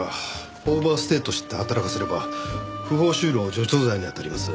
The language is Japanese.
オーバーステイと知って働かせれば不法就労助長罪に当たります。